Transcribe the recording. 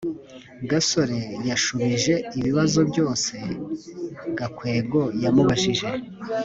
gasore yashubije ibibazo byose gakwego yamubajije